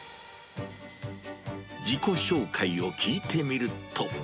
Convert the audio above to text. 自己紹介を聞いてみると。